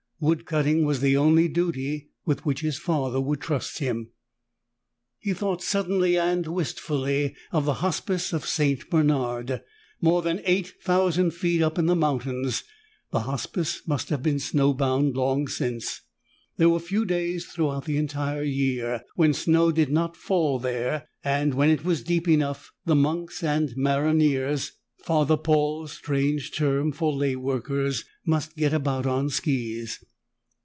Wood cutting was the only duty with which his father would trust him. He thought suddenly and wistfully of the Hospice of St. Bernard. More than eight thousand feet up in the mountains, the Hospice must have been snowbound long since. There were few days throughout the entire year when snow did not fall there and, when it was deep enough, the monks and maronniers Father Paul's strange term for lay workers must get about on skis.